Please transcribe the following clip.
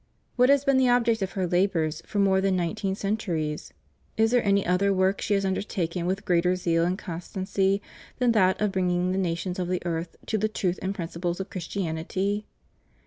What has been the object of her labors for more than nineteen centuries? Is there any other work she has undertaken with greater zeal and constancy than that of bringing the nations of the earth to the truth and principles of Christianity?